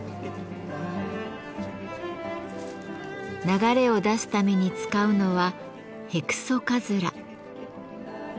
流れを出すために使うのはヘクソカズラ。